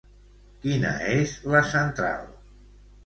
Quina és la central?